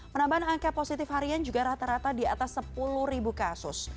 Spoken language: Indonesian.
penambahan angka positif harian juga rata rata di atas sepuluh ribu kasus